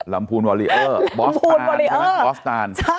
ลำพูนวอเรอร์บอสตาน